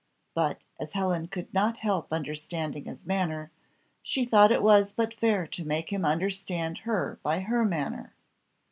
But, as Helen could not help understanding his manner, she thought it was but fair to make him understand her by her manner.